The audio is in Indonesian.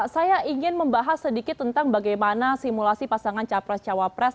saya ingin membahas sedikit tentang bagaimana simulasi pasangan capres cawapres